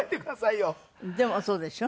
でもそうでしょ？